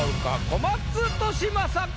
小松利昌か？